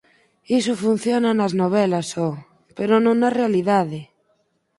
Iso funciona nas novelas, ho, pero non na realidade!